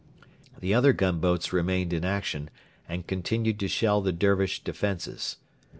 The other gunboats remained in action, and continued to shell the Dervish defences.